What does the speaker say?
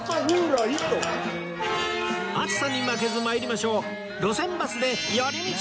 暑さに負けず参りましょう！